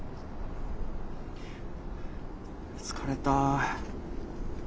疲れた。